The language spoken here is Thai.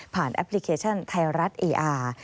แอปพลิเคชันไทยรัฐเออาร์